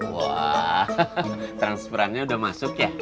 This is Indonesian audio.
wah transferannya udah masuk ya